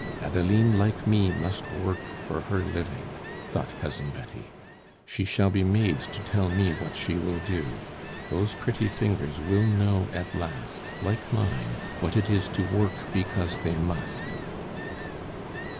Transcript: "Adeline, like me, must work for her living," thought Cousin Betty. "She shall be made to tell me what she will do! Those pretty fingers will know at last, like mine, what it is to work because they must."